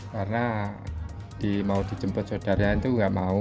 karena mau dijemput saudaranya itu enggak mau